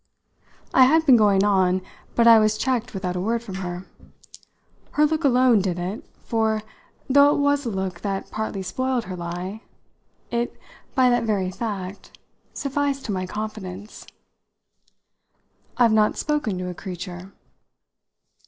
I had been going on, but I was checked without a word from her. Her look alone did it, for, though it was a look that partly spoiled her lie, it by that very fact sufficed to my confidence. "I've not spoken to a creature."